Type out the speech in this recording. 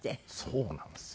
そうなんですよ。